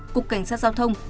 cục cảnh sát giao thông